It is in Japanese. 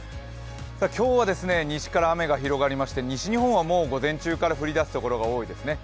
今日は西から雨が広がりまして西日本は午前中から降りだすところが多いですね。